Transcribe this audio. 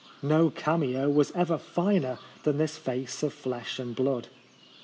No cameo "was ever finer than this face of flesh and blood.